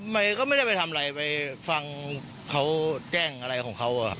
มันก็ไม่ได้ไปทำอะไรไปฟังเขาแจ้งอะไรของเขา